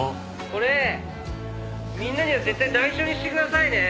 「これみんなには絶対内緒にしてくださいね」